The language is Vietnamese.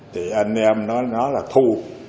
thì anh em nói là thu